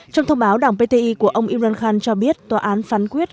trong thông báo đảng pti của ông imran khan cho biết tòa án phán quyết